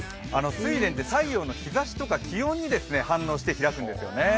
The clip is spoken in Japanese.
スイレンって太陽の日ざしとか気温に反応して咲くんですよね。